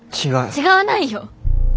違わないよ。